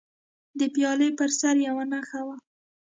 د پیالې پر سر یوه نښه وه.